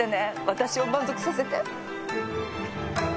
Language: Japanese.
私を満足させて。